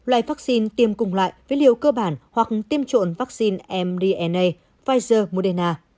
loại vaccine tiêm cùng loại với liều cơ bản hoặc tiêm trộn vaccine mrna pfizer moderna